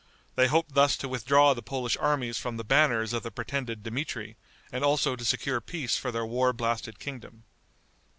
They hoped thus to withdraw the Polish armies from the banners of the pretended Dmitri, and also to secure peace for their war blasted kingdom.